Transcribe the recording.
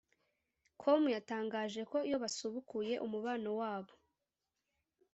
com yatangaje ko iyo basubukuye umubano wabo